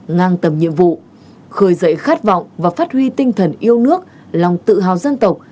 ngang tầm nhiệm vụ khởi dậy khát vọng và phát huy tinh thần yêu nước lòng tự hào dân tộc